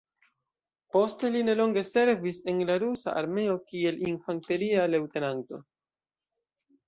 Poste li nelonge servis en la Rusa armeo kiel infanteria leŭtenanto.